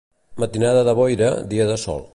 Matinada de boira, dia de sol.